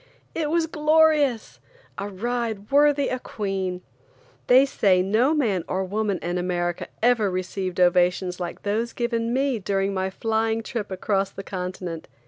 It was glorious! A ride worthy a queen. They say no man or woman in America ever received ovations like those given me during my flying trip across the continent.